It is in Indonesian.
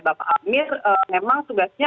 bapak amir memang tugasnya